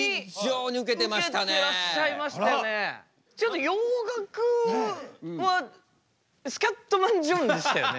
ちょっと洋楽はスキャットマン・ジョンでしたよね。